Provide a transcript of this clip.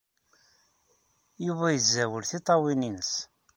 Yuba yezzeɛwel tiṭṭawin-nnes.